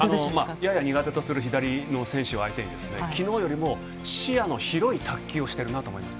やや苦手とする左の選手を相手に、きのうよりも視野の広い卓球をしているなと思います。